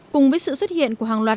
cùng với sự xuất hiện của hàng loạt